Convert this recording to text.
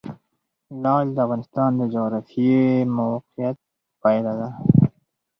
لعل د افغانستان د جغرافیایي موقیعت پایله ده.